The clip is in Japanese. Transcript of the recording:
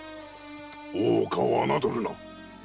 大岡を侮るな！